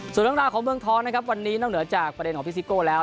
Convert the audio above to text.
ส่วนเรื่องราวของเมืองทองนะครับวันนี้นอกเหนือจากประเด็นของพี่ซิโก้แล้ว